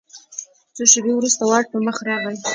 څو شیبې وروسته واټ په مخه راغی.